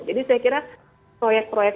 jadi saya kira proyek proyek